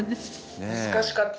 うん難しかった。